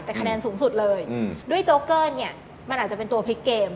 แต่คะแนนสูงสุดเลยด้วยโจ๊เกอร์เนี่ยมันอาจจะเป็นตัวพลิกเกม